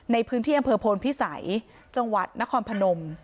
ในพื้นที่อำเภอโพนพิสัยจังหวัดนครพนม